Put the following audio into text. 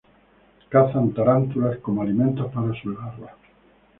Cazan tarántulas como alimentos para sus larvas.